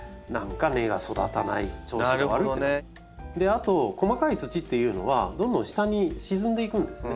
あと細かい土っていうのはどんどん下に沈んでいくんですね。